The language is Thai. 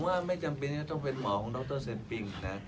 ว่าไม่จำเป็นที่จะต้องเป็นหมอของดรเซนปิงนะ